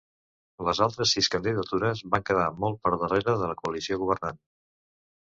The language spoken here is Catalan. Les altres sis candidatures van quedar molt per darrere de la coalició governant.